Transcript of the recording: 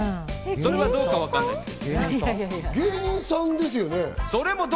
それはどうかわかんないですけど。